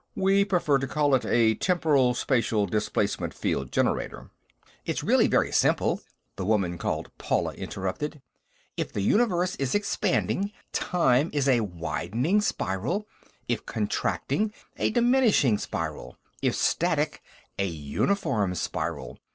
We prefer to call it a temporal spatial displacement field generator." "It's really very simple," the woman called Paula interrupted. "If the universe is expanding, time is a widening spiral; if contracting, a diminishing spiral; if static, a uniform spiral.